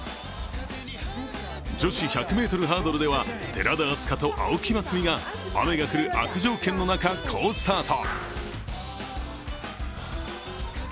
女子１００ｍハードルでは寺田明日香と青木益未が雨が降る悪条件の中、好スタート。